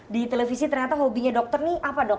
di televisi ternyata hobinya dokter ini apa dok